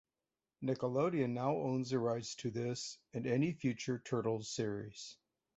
Nickelodeon now owns the rights to this and any future Turtles series.